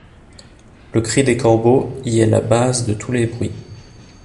Le cri des corbeaux y est la base de tous les bruits.